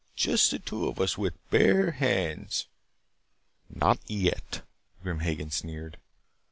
Just the two of us with bare hands " "Not yet." Grim Hagen sneered.